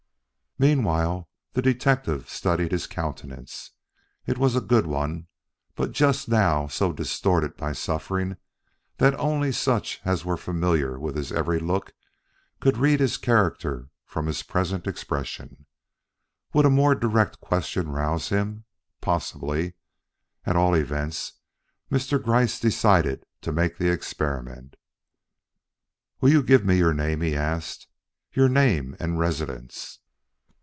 Meantime the detective studied his countenance. It was a good one, but just now so distorted by suffering that only such as were familiar with his every look could read his character from his present expression. Would a more direct question rouse him? Possibly. At all events, Mr. Gryce decided to make the experiment. "Will you give me your name?" he asked, " your name and residence?"